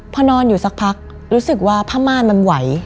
พอนอนอยู่สักพักรู้สึกว่าผ้าม่านมันไหว